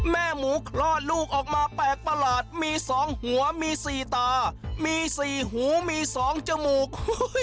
แม่หมูคลอดลูกออกมาแปลกประหลาดมี๒หัวมี๔ตามี๔หูมี๒จมูก